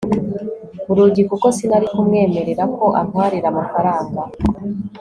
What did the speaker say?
urugi kuko sinari kumwemerera ko antwarira amafaranga